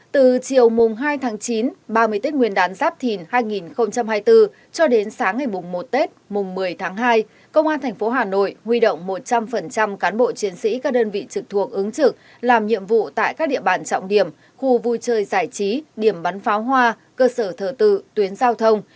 từ chiều mùng hai tháng chín ba mươi tết nguyên đán giáp thìn hai nghìn hai mươi bốn cho đến sáng ngày một tết mùng một mươi tháng hai công an tp hà nội huy động một trăm linh cán bộ chiến sĩ các đơn vị trực thuộc ứng trực làm nhiệm vụ tại các địa bàn trọng điểm khu vui chơi giải trí điểm bắn pháo hoa cơ sở thờ tự tuyến giao thông